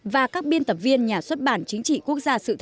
và các biên tập viên nhà xuất bản chính trị quốc gia sự thật